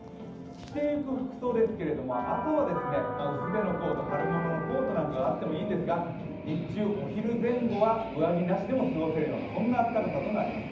着ていく服装ですけれども、朝は薄手の春物のコートなんかがあってもいいんですが、日中、お昼前後は上着なしでも過ごせるような暖かさになります。